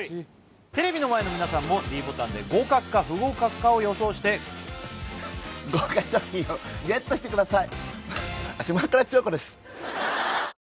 テレビの前の皆さんもｄボタンで合格か不合格かを予想して豪華賞品をＧＥＴしてください